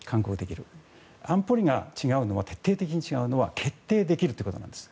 安保理が徹底的に違うのは決定できるということなんです。